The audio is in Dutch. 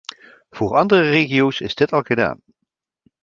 Voor andere regio’s is dit al gedaan.